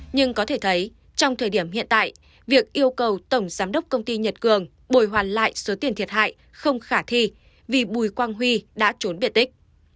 nhưng có thể thấy trong thời điểm hiện tại việc yêu cầu tổng giám đốc công ty nhật cường bồi hoàn lại số tiền thiệt hại không khả thi vì bùi quang huy đã trốn biệt tích